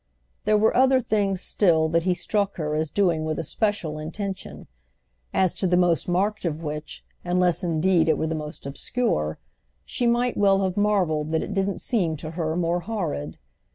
There were other things still that he struck her as doing with a special intention; as to the most marked of which—unless indeed it were the most obscure—she might well have marvelled that it didn't seem to her more horrid.